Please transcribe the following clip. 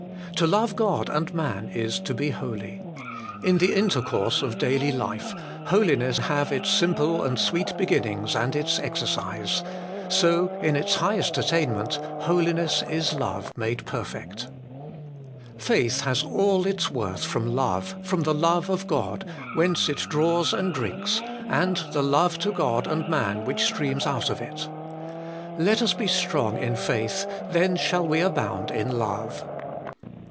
To love God and man is to be holy. In the intercourse of daily life, holiness can have its simple and sweet beginnings and its exercise ; so, in its highest attainment, holiness is love made perfect. 4. Faith has all its worth from love, from the love of God, whence it draws and drinks, and the love to God and man which streams out of it. Let us be strong in faith, then shall we abound in love.